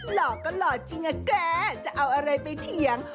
หล่อก็หล่อจริงอะแกจะเอาอะไรไปเถียง